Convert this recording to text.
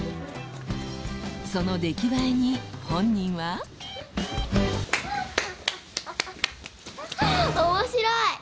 その出来栄えに本人は面白い！